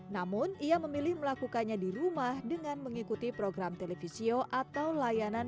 namun ia memilih melakukannya di rumah dengan mengikuti program televisio atau layanan